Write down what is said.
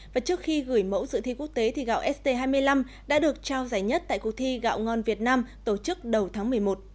và trước khi gửi mẫu dự thi quốc tế thì gạo st hai mươi năm đã được trao giải nhất tại cuộc thi gạo ngon việt nam tổ chức đầu tháng một mươi một